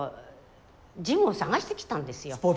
ジムを探してきたんですよ。